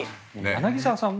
柳澤さん